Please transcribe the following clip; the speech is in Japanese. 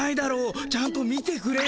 ちゃんと見てくれよ。